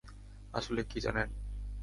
আসলে, কী জানেন!